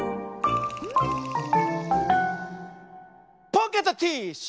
ポケットティッシュ！